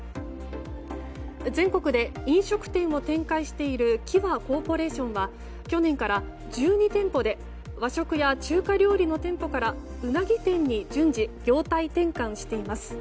全国で飲食店を展開している際コーポレーションは去年から１２店舗で和食や中華料理の店舗からうなぎ店に順次、業態転換しています。